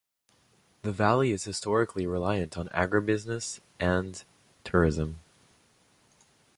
The Valley is historically reliant on agribusiness and tourism.